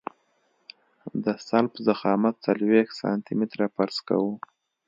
د سلب ضخامت څلوېښت سانتي متره فرض کوو